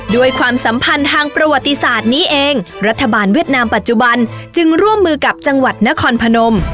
ความสัมพันธ์ทางประวัติศาสตร์นี้เองรัฐบาลเวียดนามปัจจุบันจึงร่วมมือกับจังหวัดนครพนม